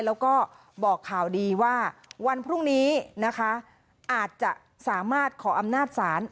แล้วก็บอกข่าวดีว่าวันพรุ่งนี้นะคะอาจจะสามารถขออำนาจศาล